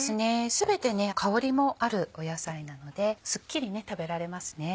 全て香りもある野菜なのでスッキリ食べられますね。